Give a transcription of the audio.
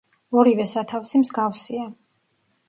ორივე სათავსი მსგავსია.